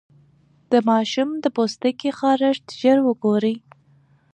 د ماشوم د پوستکي خارښت ژر وګورئ.